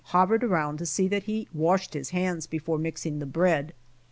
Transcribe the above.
hovered around to see that he washed his hands before mixing the bread.